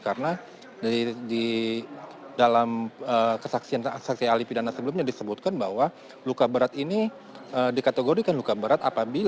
karena di dalam kesaksian ahli pidana sebelumnya disebutkan bahwa luka berat ini dikategorikan luka berat